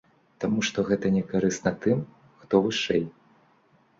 Таму што гэта не карысна тым, хто вышэй.